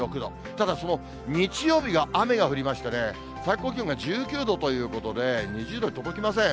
ただその日曜日が雨が降りましてね、最高気温が１９度ということで、２０度に届きません。